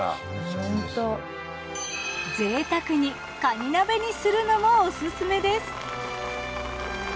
ぜいたくにカニ鍋にするのもオススメです！